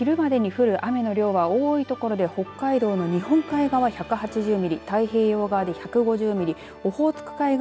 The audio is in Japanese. あす昼までに降る雨の量は多い所で北海道の日本海側は１８０ミリ太平洋側で１５０ミリオホーツク